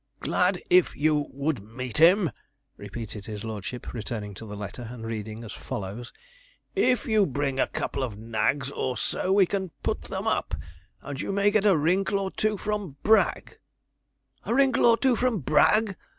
'"Glad if you would meet him,"' repeated his lordship, returning to the letter, and reading as follows: '"If you bring a couple of nags or so we can put them up, and you may get a wrinkle or two from Bragg." A wrinkle or two from Bragg!